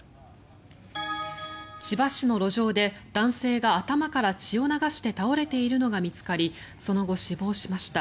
千葉市の路上で男性が頭から血を流して倒れているのが見つかりその後、死亡しました。